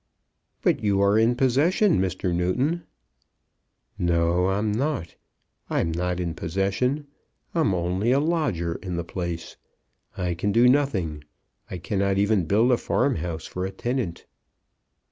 "But you are in possession, Mr. Newton." "No; I'm not. I'm not in possession. I'm only a lodger in the place. I can do nothing. I cannot even build a farm house for a tenant."